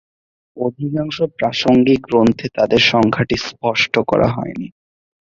অধিকাংশ প্রাসঙ্গিক গ্রন্থে তাদের সংখ্যাটি স্পষ্ট করা হয়নি।